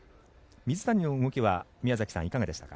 水谷の動きは宮崎さん、いかがでしたか？